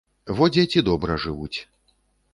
Во дзеці добра жывуць.